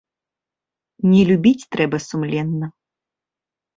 Не любіць трэба сумленна.